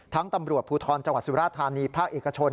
ตำรวจภูทรจังหวัดสุราธานีภาคเอกชน